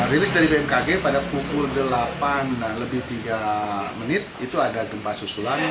rilis dari bmkg pada pukul delapan lebih tiga menit itu ada gempa susulan